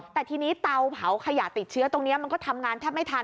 แต่ทีนี้เตาเผาขยะติดเชื้อตรงนี้มันก็ทำงานแทบไม่ทัน